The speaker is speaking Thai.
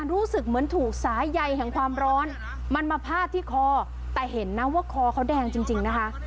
รู้สึกเหมือนถูกสายใยแห่งความร้อนมันมาพาดที่คอแต่เห็นนะว่าคอเขาแดงจริงนะคะ